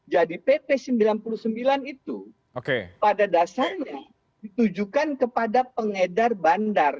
jadi pp sembilan puluh sembilan itu pada dasarnya ditujukan kepada pengedar bandar